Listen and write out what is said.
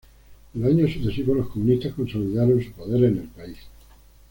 En los años sucesivos los comunistas consolidaron su poder en el país.